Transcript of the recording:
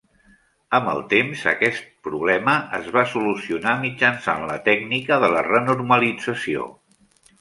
Amb el temps aquest problema es va "solucionar" mitjançant la tècnica de la renormalització.